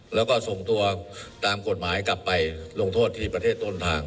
แล้วก็ส่งตัวตามกฎหมายกลับไปลงโทษที่ประเทศต้นทาง